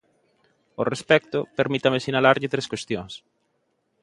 Ao respecto, permítame sinalarlle tres cuestións.